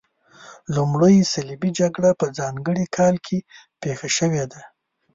لومړۍ صلیبي جګړه په ځانګړي کال کې پیښه شوې ده.